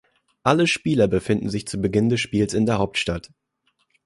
Alle Spieler befinden sich zu Beginn des Spiels in der Hauptstadt.